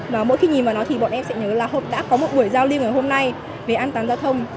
và mỗi khi nhìn vào nó thì bọn em sẽ nhớ là họ đã có một buổi giao liên hôm nay về an toàn giao thông